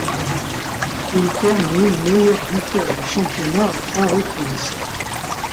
Il termine meilleur buteur du championnat à trois reprises.